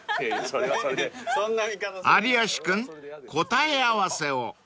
［有吉君答え合わせを］